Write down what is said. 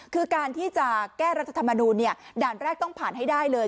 คือการที่จะแก้รัฐธรรมนูลด่านแรกต้องผ่านให้ได้เลย